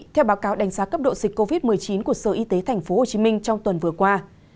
theo báo cáo đánh giá cấp độ dịch covid một mươi chín của sở y tế tp hcm trong tuần vừa qua